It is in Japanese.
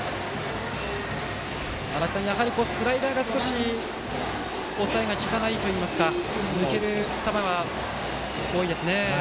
やはりスライダーが、少し抑えが利かないといいますか抜ける球が多いですね。